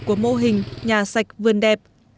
của mô hình nhà sạch vườn đẹp